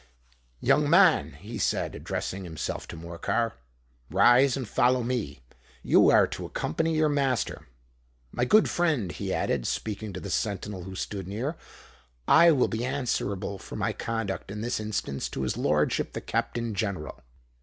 "Young man," he said, addressing himself to Morcar, "rise and follow me. You are to accompany your master. My good friend," he added, speaking to the sentinel who stood near, "I will be answerable for my conduct in this instance to his lordship the Captain General."